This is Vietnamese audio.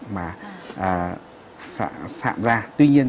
mà sạm ra